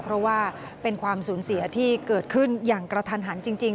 เพราะว่าเป็นความสูญเสียที่เกิดขึ้นอย่างกระทันหันจริง